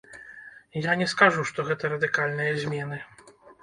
Я не скажу, што гэта радыкальныя змены.